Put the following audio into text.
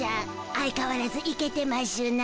相かわらずイケてましゅな。